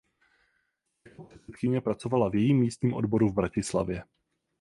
Jako předsedkyně pracovala v jejím místním odboru v Bratislavě.